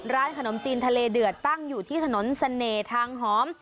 ร้านขนมจีนทะเลเดือดตั้งอยู่ที่ถนนเสน่ห์ทางหอม